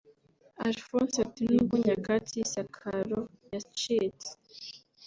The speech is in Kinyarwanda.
Alphonse ati "N’ubwo Nyakatsi y’isakaro yacitse